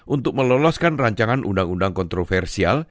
untuk meloloskan rancangan undang undang kontroversial